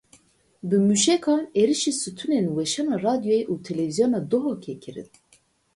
Bi mûşekan êrişî stûnên weşana radyo û televîzyona Duhokê kirin.